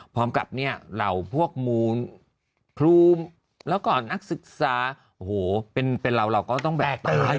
พร้อมกับเนี่ยเหล่าพวกมูลครูแล้วก็นักศึกษาโอ้โหเป็นเราเราก็ต้องแบกต่อให้